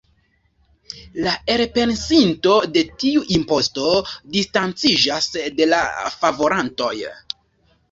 La elpensinto de tiu imposto distanciĝas de la favorantoj.